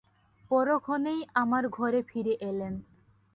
পরক্ষণেই আমার ঘরে ফিরে এলেন।